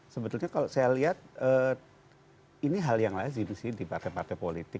sebetulnya kalau saya lihat ini hal yang lazim sih di partai partai politik